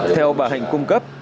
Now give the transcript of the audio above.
theo bà hạnh cung cấp